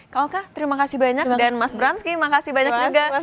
kak oka terima kasih banyak dan mas bransky makasih banyak juga